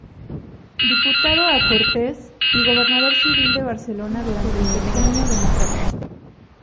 Diputado a Cortes y gobernador civil de Barcelona durante el Sexenio Democrático.